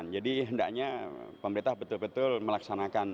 jadi hendaknya pemerintah betul betul melaksanakan